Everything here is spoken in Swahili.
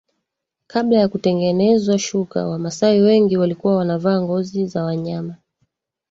Kabla ya kutengenezwa shuka wamasai wengi walikuwa wanavaa ngozi za wanyama